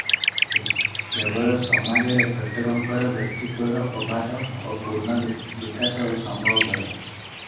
କେବଳ ସମାଜରେ ପ୍ରତ୍ୟେକଙ୍କର ବ୍ୟକ୍ତିତ୍ୱର ଅବାଧ ଓ ପୂର୍ଣ୍ଣ ବିକାଶ ସମ୍ଭବପର ।